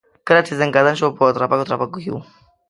کله چې ځنکدن شو په ترپکو ترپکو کې و.